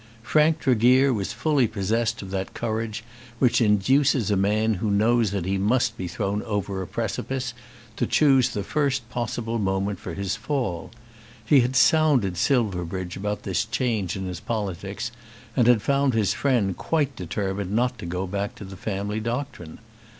Frank Tregear was fully possessed of that courage which induces a man who knows that he must be thrown over a precipice, to choose the first possible moment for his fall. He had sounded Silverbridge about this change in his politics, and had found his friend quite determined not to go back to the family doctrine.